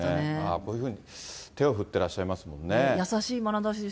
こういうふうに手を振ってらっしゃいましたもんね。